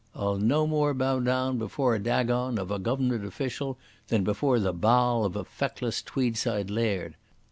I'll no more bow down before a Dagon of a Goavernment official than before the Baal of a feckless Tweedside laird.